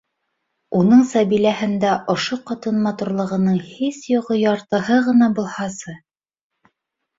Уның Сәбиләһендә ошо ҡатын матурлығының һис юғы яртыһы ғына булһасы...